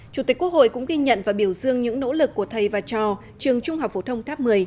chủ tịch quốc hội cũng ghi nhận và biểu dương những nỗ lực của thầy và trò trường trung học phổ thông tháp một mươi